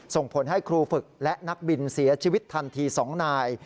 ส่งผลให้ครูฝึกและนักบินเสียชีวิตทันที๒นาย